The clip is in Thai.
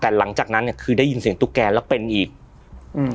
แต่หลังจากนั้นเนี้ยคือได้ยินเสียงตุ๊กแกแล้วเป็นอีกอืม